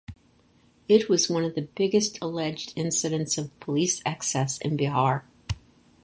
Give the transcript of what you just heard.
It was one of the biggest alleged incidents of police excess in Bihar.